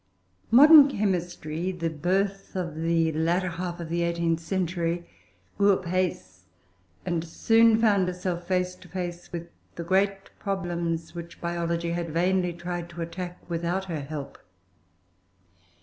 ] Modern Chemistry, the birth of the latter half of the eighteenth century, grew apace, and soon found herself face to face with the great problems which biology had vainly tried to attack without her help.